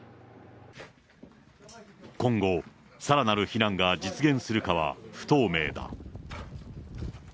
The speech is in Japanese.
今後、さらなる避難が実現するかは不透明だ。